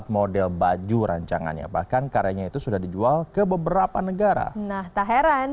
empat model baju rancangannya bahkan karyanya itu sudah dijual ke beberapa negara nah tak heran